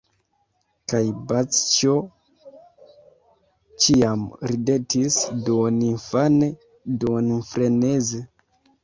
Kaj Bazĉjo ĉiam ridetis duoninfane, duonfreneze.